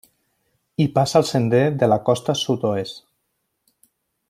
Hi passa el sender de la Costa Sud-oest.